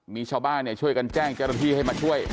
มีชาวบ้านเนี่ยช่วยกันแจ้งเจรติให้มาช่วย